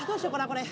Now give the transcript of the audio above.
これ。